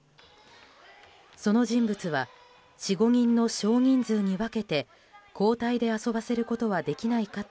その人物は４５人の少人数に分けて交代で遊ばせることはできないかと